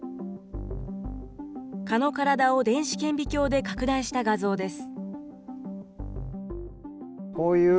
蚊の体を電子顕微鏡で拡大した画像です。